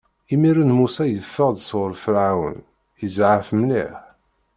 Imiren, Musa yeffeɣ-d sɣur Ferɛun, izɛef mliḥ.